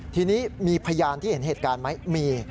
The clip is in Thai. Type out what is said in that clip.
ทีนี้มีพยานที่เห็นเหตุการณ์ไหมมี